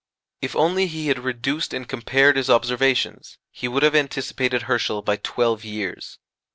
If only he had reduced and compared his observations, he would have anticipated Herschel by twelve years.